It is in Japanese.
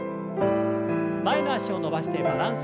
前の脚を伸ばしてバランス。